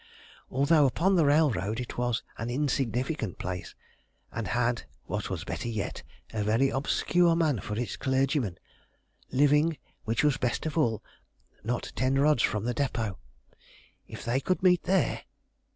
Although upon the railroad, it was an insignificant place, and had, what was better yet, a very obscure man for its clergyman, living, which was best of all, not ten rods from the depot. If they could meet there?